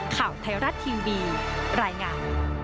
ข่าวไทยรัฐทีวีรายงาน